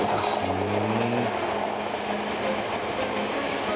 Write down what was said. へえ。